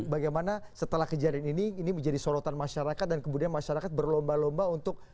bagaimana setelah kejadian ini ini menjadi sorotan masyarakat dan kemudian masyarakat berlomba lomba untuk